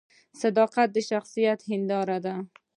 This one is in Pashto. صداقت د شخصیت هنداره ده